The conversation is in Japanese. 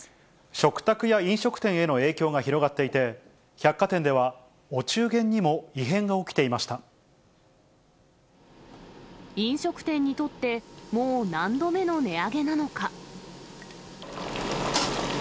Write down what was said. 食卓や飲食店への影響が広がっていて、百貨店では、飲食店にとって、もう何度目の値上げなのか。